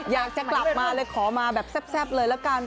อยากจะกลับมาเลยขอมาแบบแซ่บเลยละกัน